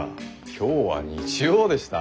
今日は日曜でした。